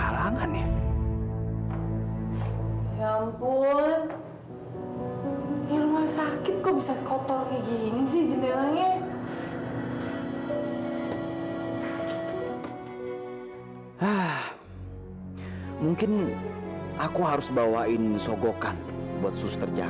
di video selanjutnya